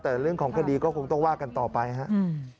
แต่เรื่องของคดีก็คงต้องว่ากันต่อไปครับ